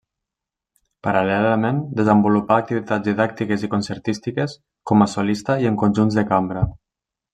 Paral·lelament desenvolupà activitats didàctiques i concertístiques com a solista i en conjunts de cambra.